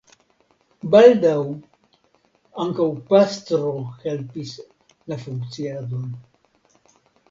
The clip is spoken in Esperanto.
Baldaŭ ankaŭ pastro helpis la funkciadon.